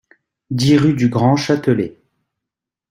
dix rue du Grand Châtelet